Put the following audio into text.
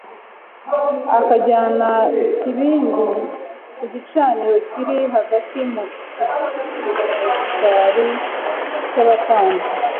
"Akajyana ikibindi ku gicaniro kiri hagati mu gikari cy'abatambyi.